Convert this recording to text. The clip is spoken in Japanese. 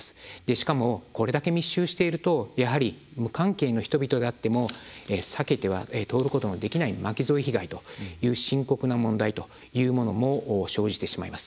しかも、これだけ密集していると無関係の人々であっても避けては通ることのできない巻き添え被害という深刻な問題というものも生じてしまいます。